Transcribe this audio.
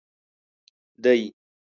دی.